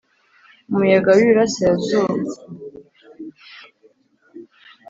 Umuyaga w iburasirazuba